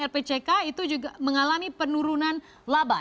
rpcka itu juga mengalami penurunan laba